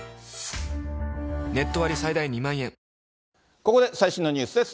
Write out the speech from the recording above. ここで最新のニュースです。